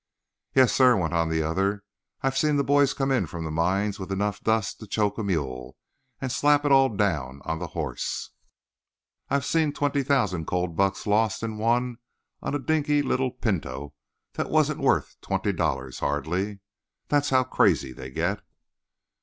"Yes, sir," went on the other. "I've seen the boys come in from the mines with enough dust to choke a mule, and slap it all down on the hoss. I've seen twenty thousand cold bucks lost and won on a dinky little pinto that wasn't worth twenty dollars hardly. That's how crazy they get."